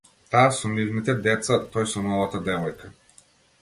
Таа со нивните деца, тој со новата девојка